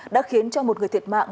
đã khiến cho một người thiệt mạng